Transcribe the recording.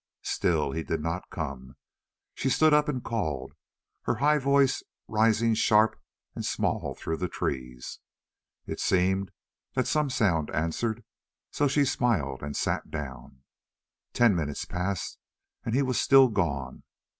Still he did not come. She stood up and called, her high voice rising sharp and small through the trees. It seemed that some sound answered, so she smiled and sat down. Ten minutes passed and he was still gone.